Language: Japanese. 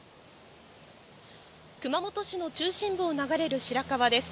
熊本市の中心部を流れる白川です。